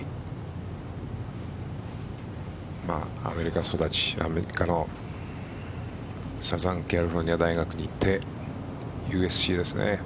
アメリカ育ち、アメリカのカリフォルニアの大学に行ってＵＳＣですね。